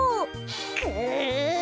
くう！